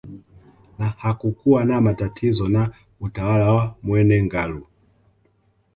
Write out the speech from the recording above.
Na hakukuwa na matatizo na utawala wa Mwene Ngalu